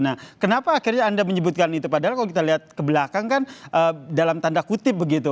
nah kenapa akhirnya anda menyebutkan itu padahal kalau kita lihat ke belakang kan dalam tanda kutip begitu